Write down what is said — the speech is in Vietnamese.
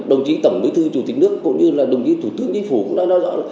đồng chí tổng bí thư chủ tịch nước cũng như là đồng chí thủ tướng chính phủ cũng đã nói rõ là